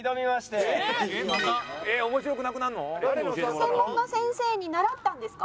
専門の先生に習ったんですか？